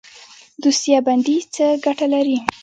دوسیه بندي څه ګټه لري؟